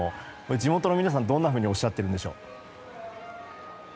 地元の皆さん、どんなふうにおっしゃっているんでしょう？